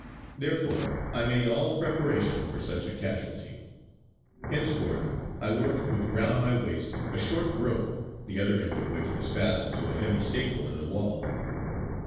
Therefore I made all preparation for such a casualty. Henceforth I worked with round my waist a short rope the other end of which was fastened to a heavy staple in the wall.